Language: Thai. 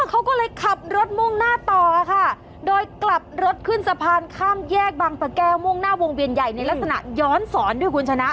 เขาก็เลยขับรถมุ่งหน้าต่อค่ะโดยกลับรถขึ้นสะพานข้ามแยกบางประแก้วมุ่งหน้าวงเวียนใหญ่ในลักษณะย้อนสอนด้วยคุณชนะ